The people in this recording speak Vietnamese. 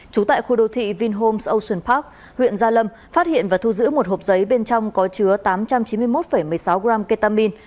trú tại khu đô thị vinhome ocean park huyện gia lâm phát hiện và thu giữ một hộp giấy bên trong có chứa tám trăm chín mươi một một mươi sáu gram ketamine